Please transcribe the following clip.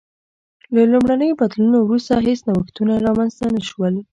له لومړنیو بدلونونو وروسته هېڅ نوښتونه رامنځته نه شول